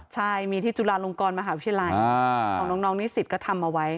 ใช่มีที่จุฬาลงกรมหาวิทยาลัยของน้องนิสิตก็ทำเอาไว้